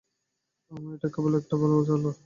আর এটা কেবল একটা ভালো চাল।